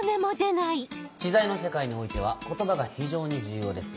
知財の世界においては言葉が非常に重要です。